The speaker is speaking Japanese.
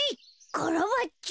カラバッチョ。